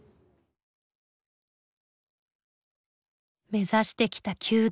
目指してきた弓道。